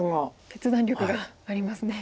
決断力がありますね。